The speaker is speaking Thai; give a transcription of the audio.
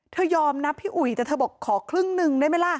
เธอยอมนะพี่อุ๋ยแต่เธอบอกขอครึ่งนึงได้มั้ยล่ะ